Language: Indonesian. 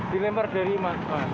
dilempar dari mana